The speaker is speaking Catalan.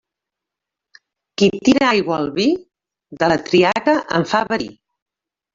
Qui tira aigua al vi, de la triaca en fa verí.